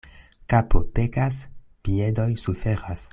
Kapo pekas, piedoj suferas.